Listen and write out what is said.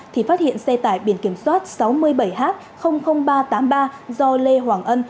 thì phát hiện xe tải biển kiểm soát sáu mươi bảy h ba trăm tám mươi ba do lê hoàng ân